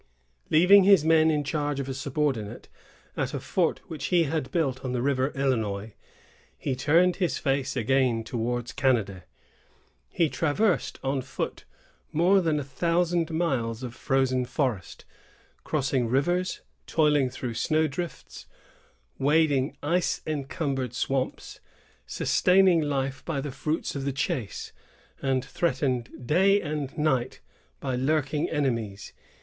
Leaving his men in charge of a subordinate at a fort which he had built on the river Illinois, he turned his face again towards Canada. He traversed on foot more than a thousand miles of frozen forest, crossing rivers, toiling through snow drifts, wading ice encumbered swamps, sustaining life by the fruits of the chase, and threatened day and night by lurking enemies.